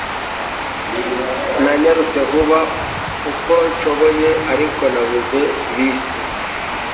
Nanyarutse vuba uko nshoboye ariko nabuze bisi